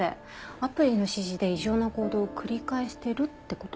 アプリの指示で異常な行動を繰り返してるってこと？